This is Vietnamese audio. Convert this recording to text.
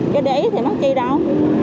cho để ý thì mất chi đâu